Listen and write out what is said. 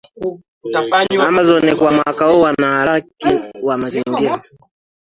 Amazon kwa mwaka huu Wanaharaki wa mazingira